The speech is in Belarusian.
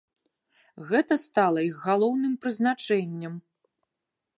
Гэта стала іх галоўным прызначэннем.